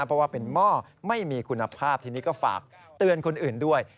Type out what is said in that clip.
เพราะว่าเป็นหม้อไม่มีคุณภาพทีนี้ก็ฝากเตือนคนอื่นด้วย